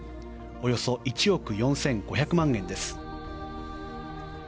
およそ１億４５００万円です。